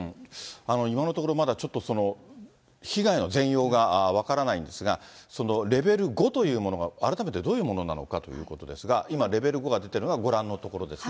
今のところ、まだちょっと被害の全容が分からないんですが、レベル５というものが改めてどういうものなのかということなのですが、今、レベル５が出ているのはご覧の所ですね。